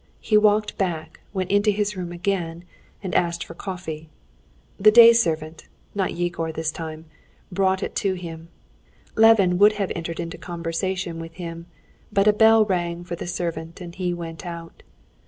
He walked back, went into his room again, and asked for coffee. The day servant, not Yegor this time, brought it to him. Levin would have entered into conversation with him, but a bell rang for the servant, and he went out.